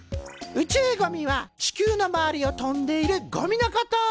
宇宙ゴミは地球の周りを飛んでいるゴミのこと。